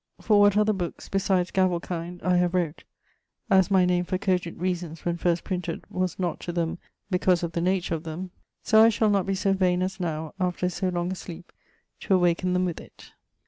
For what other bookes, besides Gavel kind, I have wrote, as my name for cogent reasons when first printed was not to them because of the nature of them, soe I shall not be soe vaine as now, after soe long a sleep, to awaken them with it.